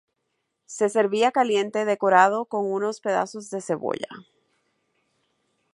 Se servía caliente decorado con unos pedazos de cebolla.